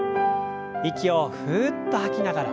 息をふっと吐きながら。